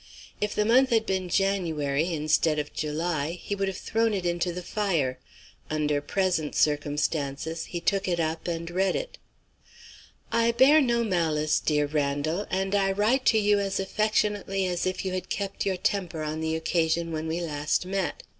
If the month had been January instead of July, he would have thrown it into the fire. Under present circumstances, he took it up and read it: "I bear no malice, dear Randal, and I write to you as affectionately as if you had kept your temper on the occasion when we last met.